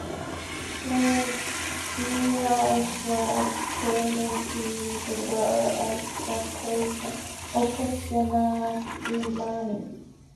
Nagraj was presented to the world as a creation of Professor Nagmani.